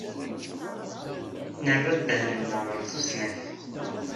Nerra ddehn-nneɣ ɣer tusnakt.